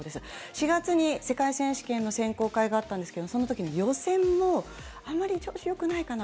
４月に世界選手権の選考会があったんですけどその時の予選もあまり調子よくないかな